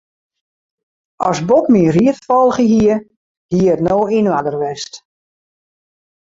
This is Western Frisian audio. As Bob myn ried folge hie, hie it no yn oarder west.